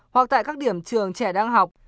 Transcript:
hoặc tại các điểm trường trẻ đang học